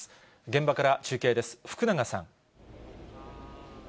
現場から中継です、福永さん。